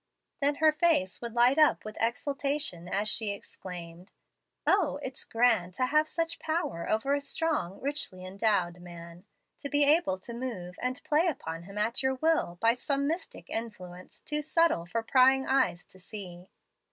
Then her face would light up with exultation as she exclaimed, "O, it's grand to have such power over a strong, richly endowed man, to be able to move and play upon him at your will by some mystic influence too subtile for prying eyes to see.